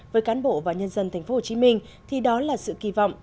với cán bộ và nhân dân tp hcm thì đó là sự kỳ vọng